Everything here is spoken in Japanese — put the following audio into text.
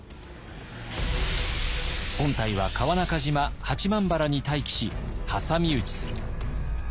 本体は川中島・八幡原に待機し挟み撃ちする。